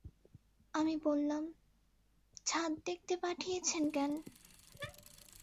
আমি বললাম, ছাদ দেখতে পাঠিয়েছেন কেন?